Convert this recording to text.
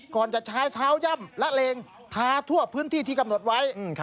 ก่อนจะใช้เท้าย่ำละเลงทาทั่วพื้นที่ที่กำหนดไว้